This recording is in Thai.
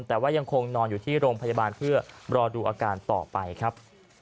แต่ว่ายังคงนอนอยู่ที่โรงพยาบาลเพื่อรอดูอาการต่อไปครับ